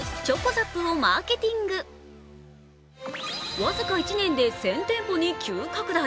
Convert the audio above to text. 僅か１年で１０００店舗に急拡大。